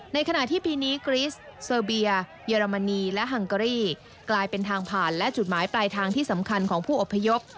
ในขณะที่ปีนี้กริสเซอร์เบียเยอรมนีและฮังเกอรี่กลายเป็นทางผ่านและจุดหมายปลายทางที่สำคัญของผู้อพยพ